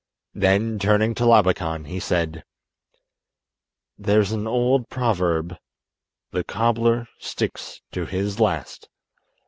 Then, turning to Labakan, he said: "There is an old proverb, 'The cobbler sticks to his last.